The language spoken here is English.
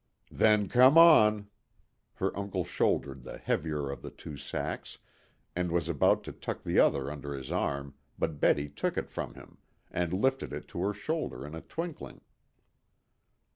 "Then come on." Her uncle shouldered the heavier of the two sacks, and was about to tuck the other under his arm, but Betty took it from him, and lifted it to her shoulder in a twinkling.